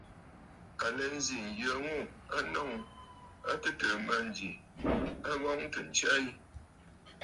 À lɛ nzi nyə ŋû a nɔŋə̀ a tɨtɨ̀ɨ̀ mânjì, ŋ̀ghɔŋtə ntsya yi.